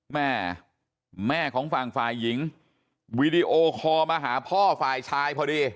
แม่แม่ของฝั่งฝ่ายหญิงวีดีโอคอลมาหาพ่อฝ่ายชายพอดี